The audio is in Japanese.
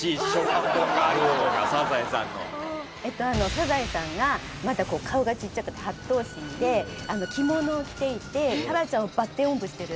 サザエさんがまだ顔がちっちゃくて８頭身で着物を着ていてタラちゃんをバッテンおんぶしてる。